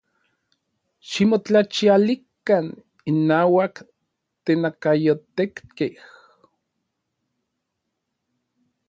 ¡Ximotlachialikan innauak tenakayotekkej!